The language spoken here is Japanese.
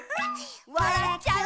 「わらっちゃう」